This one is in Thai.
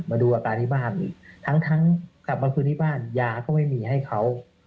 มาดูอาการที่บ้านอีกทั้งกลับมาคืนที่บ้านยาก็ไม่มีให้เขา